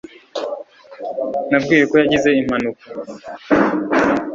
Nabwiwe ko yagize impanuka.